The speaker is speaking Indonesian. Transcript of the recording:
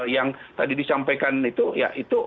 yang tadi disampaikan itu ya itu